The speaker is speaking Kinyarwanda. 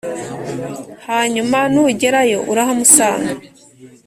hanyuma nugerayo urahamusanga